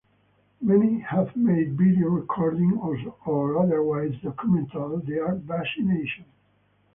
Many have made video recordings or otherwise documented their vaccination.